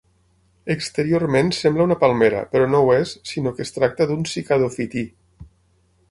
Exteriorment sembla una palmera però no ho és sinó que es tracta d'un cicadofití.